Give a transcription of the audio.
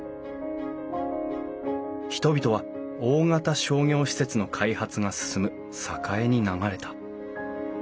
人々は大型商業施設の開発が進む栄に流れた。